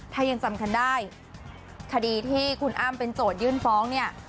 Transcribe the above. ถ้ายังจำกันได้คดีที่คุณอ้ำเป็นโจทยื่นฟ้องเนี่ย